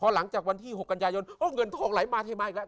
หลังจากวันที่๖กันยายนเงินทองไหลมาเทมาอีกแล้ว